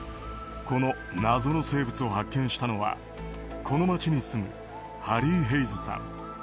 この謎の生物を発見したのはこの町に住むハリー・ヘイズさん。